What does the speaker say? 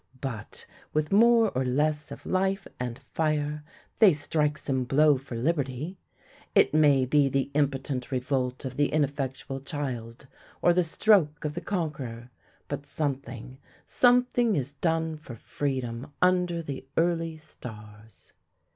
But, with more or less of life and fire, they strike some blow for liberty. It may be the impotent revolt of the ineffectual child, or the stroke of the conqueror; but something, something is done for freedom under the early stars.